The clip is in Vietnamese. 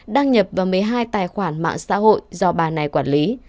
đăng nhập vào một mươi hai tài khoản mạng xã hội